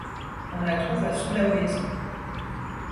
On la trouve à Sulawesi.